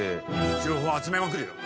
情報集めまくるよ。